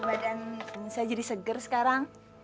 badan saya jadi seger sekarang